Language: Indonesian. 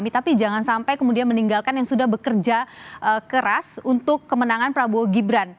tapi jangan sampai kemudian meninggalkan yang sudah bekerja keras untuk kemenangan prabowo gibran